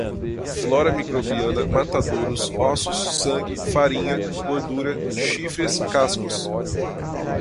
flora microbiana, matadouros, ossos, sangue, farinha, gordura, chifres, cascos